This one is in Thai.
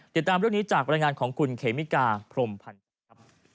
ติดตามเรื่องนี้จากบรรยายงานของคุณเขมิกาพรมพันธ์ครับ